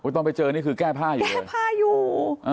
ตอนไปเจอนี่คือแก้ผ้าอยู่แก้ผ้าอยู่